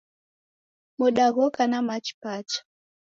Moda ghoka na machi pacha.